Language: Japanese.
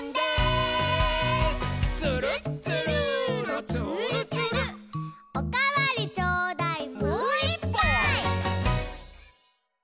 「つるっつるーのつーるつる」「おかわりちょうだい」「もういっぱい！」